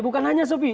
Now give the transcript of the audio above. bukan hanya sepi